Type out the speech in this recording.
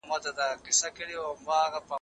هغه څوک چي لیکل کوي پوهه زياتوي؟!